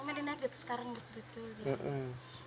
memang di negatif sekarang betul betul